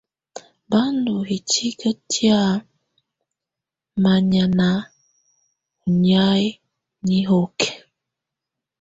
Bá ndɔ̀ hìtìkǝ tɛ̀á manyɛ̀nà ɔ̀ nyɛ̀á nihokí.